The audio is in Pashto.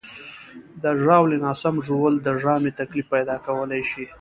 د ژاولې ناسم ژوول د ژامې تکلیف پیدا کولی شي.